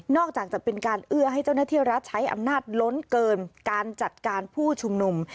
อกจากจะเป็นการเอื้อให้เจ้าหน้าที่รัฐใช้อำนาจล้นเกินการจัดการผู้ชุมนุม